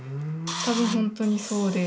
多分本当にそうで。